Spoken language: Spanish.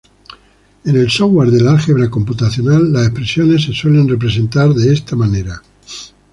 En el software del álgebra computacional, las expresiones se suelen representar de esta manera.